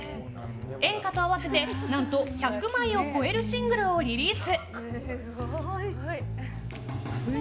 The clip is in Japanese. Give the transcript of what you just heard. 演歌と合わせて何と１００枚を超えるシングルをリリース。